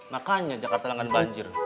makanya jakarta langgar banjir